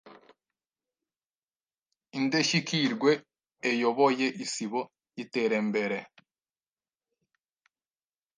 Indeshyikirwe eyoboye Isibo y’Iterembere